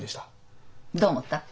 どう思った？